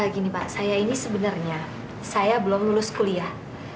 gini pak saya ini sebenarnya saya belum lulus kuliah